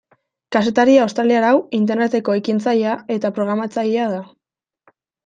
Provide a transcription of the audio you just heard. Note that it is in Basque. Kazetari australiar hau Interneteko ekintzailea eta programatzailea da.